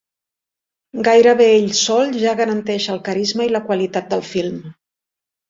Gairebé ell sol ja garanteix el carisma i la qualitat del film.